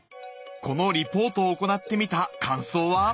このリポートを行ってみた感想は？